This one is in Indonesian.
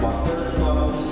waktu untuk ditua polisi